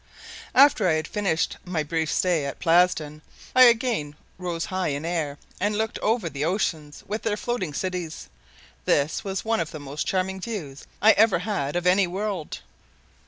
After I had finished my brief stay at Plasden, I again rose high in air and looked over the oceans with their floating cities. This was one of the most charming views I ever had of any world.